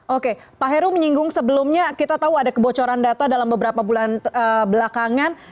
oke pak heru menyinggung sebelumnya kita tahu ada kebocoran data dalam beberapa bulan belakangan